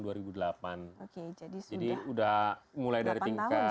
jadi sudah mulai dari tingkat